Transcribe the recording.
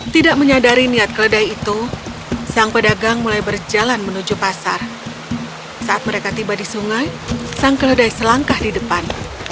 tidak menyadari niat keledai itu sang pedagang mulai berjalan menuju pasar saat mereka tiba di sungai sang keledai selangkah di depan